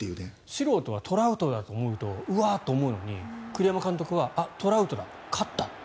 素人はトラウトだと思うとうわーっと思うのに栗山監督はトラウトだ、勝ったって。